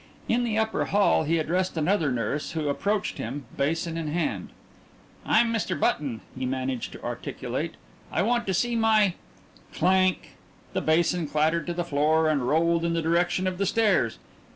In the upper hall he addressed another nurse who approached him, basin in hand. "I'm Mr. Button," he managed to articulate. "I want to see my " Clank! The basin clattered to the floor and rolled in the direction of the stairs.